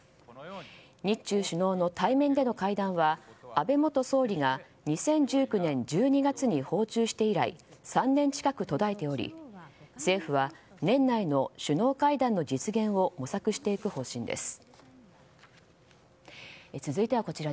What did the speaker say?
日中首脳の対面での会談は安倍元総理が２０１９年１２月に訪中して以来３年近く途絶えており政府は年内の首脳会談の実現を模索していく方針です。